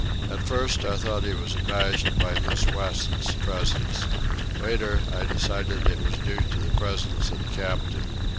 At first I thought he was abashed by Miss West's presence. Later, I decided it was due to the presence of the captain.